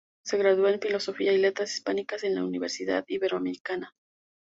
Se graduó de Filosofía y Letras Hispánicas en la Universidad Iberoamericana.